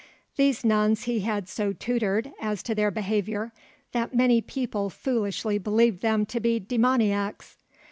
These nuns he had so tutored as to their behaviour that many people foolishly believed them to be demoniacs.